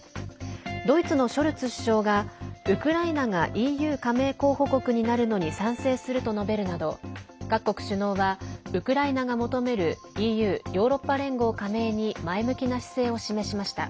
ドイツのショルツ首相がウクライナがＥＵ加盟候補国になるのに賛成すると述べるなど各国首脳はウクライナが求めるＥＵ＝ヨーロッパ連合加盟に前向きな姿勢を示しました。